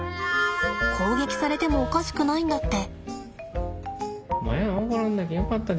攻撃されてもおかしくないんだって。